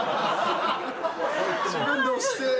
自分で押して。